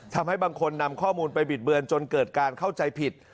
ทำให้บางคนนำข้อมูลไปบิดเบือนจนเกิดการเข้าใจผิด